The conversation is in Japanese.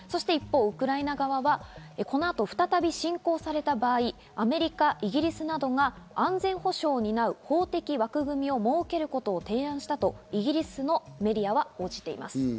一方、ウクライナ側はこの後、再び侵攻された場合アメリカ、イギリスなどが安全保障を担う法的枠組みを設けることを提案したとイギリスのメディアは報じています。